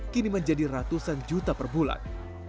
kini menjadi ratusan juta per bulan